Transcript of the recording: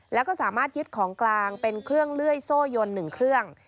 แล้วก็สามารถยึดของกลางเป็นเครื่องเลื่อยโซ่ยน๑เครื่อง